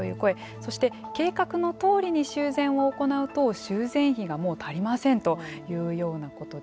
そして計画のとおりに修繕を行うと修繕費がもう足りませんというようなことで。